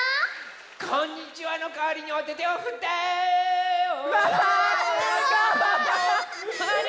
こんにちはのかわりにおててをふって！わすごい！